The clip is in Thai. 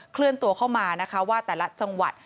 เคลื่อนตัวเข้ามานะคะว่าแต่ละจังหวัด